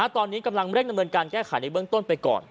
ตอนนี้กำลังเร่งดำเนินการแก้ไขในเบื้องต้นไปก่อน